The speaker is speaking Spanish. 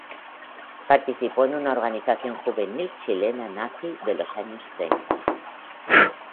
Participó en una organización juvenil chilena nazi de los años treinta.